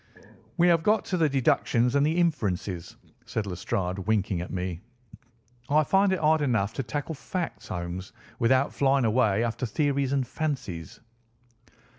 "We have got to the deductions and the inferences," said Lestrade, winking at me. "I find it hard enough to tackle facts, Holmes, without flying away after theories and fancies."